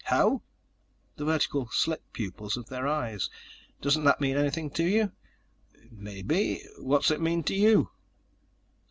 "How?" "The vertical slit pupils of their eyes. Doesn't that mean anything to you?" "Maybe. What's it mean to you?"